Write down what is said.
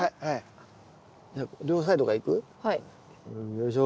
よいしょ。